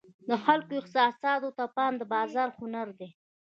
د خلکو احساساتو ته پام د بازار هنر دی.